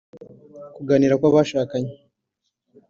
kuganira kw’abashakanye